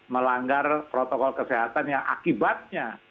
melanggar protokol kesehatan yang akibatnya